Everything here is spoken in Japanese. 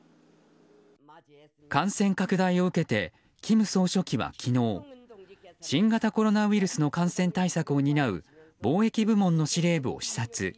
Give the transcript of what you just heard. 感染拡大を受けて金総書記は昨日新型コロナウイルスの感染対策を担う防疫部門の司令部を視察。